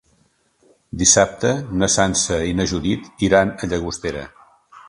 Dissabte na Sança i na Judit iran a Llagostera.